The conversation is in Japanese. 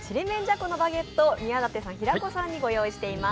このバゲットを宮舘さん、平子さんにご用意しています。